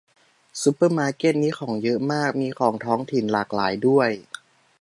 ซูเปอร์มาร์เก็ตนี้ของเยอะมาก มีของท้องถิ่นหลากหลายด้วย